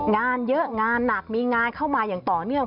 งานเยอะงานหนักมีงานเข้ามาอย่างต่อเนื่อง